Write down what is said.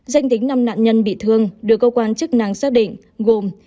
danh tính năm nạn nhân bị thương được cơ quan chức năng xác định gồm